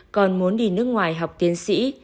con muốn đi nước ngoài học tiến sĩ